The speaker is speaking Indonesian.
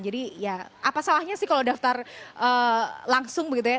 jadi ya apa salahnya sih kalau daftar langsung begitu ya